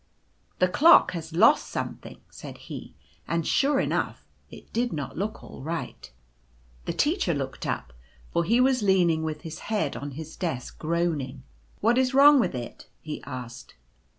u The clock has lost something," said he, and sure enough it did not look all right. The Teacher looked up — for he was leaning with his head on his desk, groaning. " What is wrong with it ?" he asked.